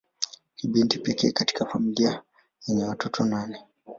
Ni binti pekee katika familia yenye watoto nane.